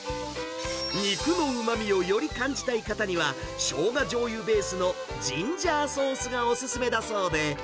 肉のうまみをより感じたい方には、しょうがじょうゆベースのジンジャーソースがお勧めだそうで。